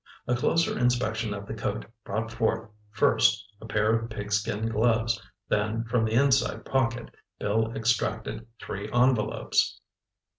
A closer inspection of the coat brought forth, first, a pair of pigskin gloves, then from the inside pocket, Bill extracted three envelopes.